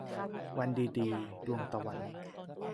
วันดีดี - ดวงตะวัน